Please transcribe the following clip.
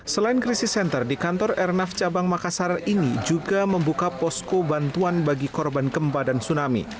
selain krisis center di kantor airnav cabang makassar ini juga membuka posko bantuan bagi korban gempa dan tsunami